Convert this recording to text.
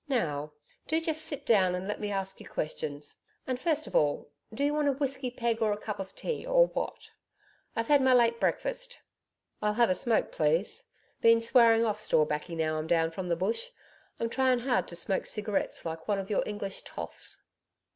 Now, do just sit down and let me ask you questions. And first of all, do you want a whiskey peg or a cup of tea, or what? I've had my late breakfast.' 'I'll have a smoke, please. Been swearing off store baccy now I'm down from the Bush. I'm trying hard to smoke cigarettes like one of your English toffs.'